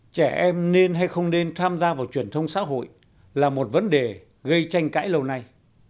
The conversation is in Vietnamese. trẻ em nên hay không nên tham gia vào truyền thông xã hội là một vấn đề gây tranh cãi lâu nay